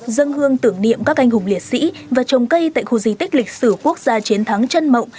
dân hương tưởng niệm các anh hùng liệt sĩ và trồng cây tại khu di tích lịch sử quốc gia chiến thắng chân mộng